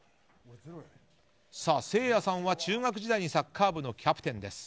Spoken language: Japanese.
せいやさんは中学時代にサッカー部のキャプテンです。